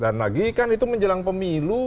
dan lagi kan itu menjelang pemilu